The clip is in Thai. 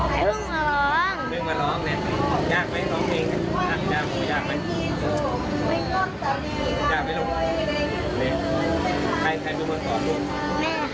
แม่รู้หรือ